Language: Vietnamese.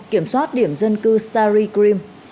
kiểm soát điểm dân cư stary grim